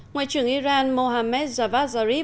ngoại trưởng iran mohammad javad zarif